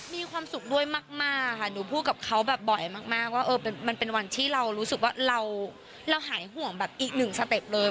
มีความสุขด้วยมากค่ะหนูพูดกับเขาแบบบ่อยมากว่ามันเป็นวันที่เรารู้สึกว่าเราหายห่วงแบบอีกหนึ่งสเต็ปเลย